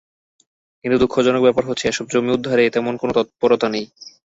কিন্তু দুঃখজনক ব্যাপার হচ্ছে এসব জমি উদ্ধারে তেমন কোনো তৎপরতা নেই।